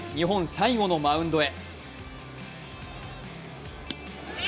最後のマウンドへ。